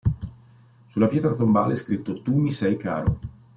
Sulla pietra tombale è scritto "Tu mi sei caro".